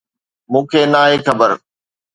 مون کي ناهي خبر.